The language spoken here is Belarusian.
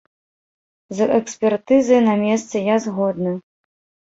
З экспертызай на месцы я згодны.